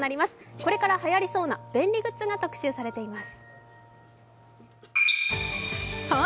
これから、はやりそうな便利グッズが特集されています。